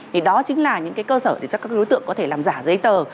thì đó chính là những cái cơ sở để cho các đối tượng có thể làm giả giấy tờ